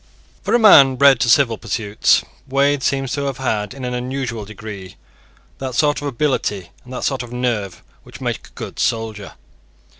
For a man bred to civil pursuits, Wade seems to have had, in an unusual degree, that sort of ability and that sort of nerve which make a good soldier.